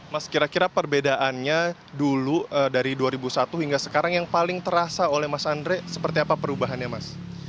mas kira kira perbedaannya dulu dari dua ribu satu hingga sekarang yang paling terasa oleh mas andre seperti apa perubahannya mas